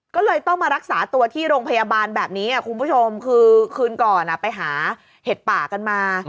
ก็เลยต้องมารักษาตัวที่โรงพยาบาลแบบนี้คุณผู้ชมคือคืนก่อนไปหาเห็ดป่ากันมา